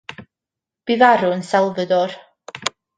Bu farw yn Salvador.